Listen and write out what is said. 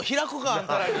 あんたらに。